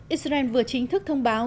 israel vừa chính thức thông báo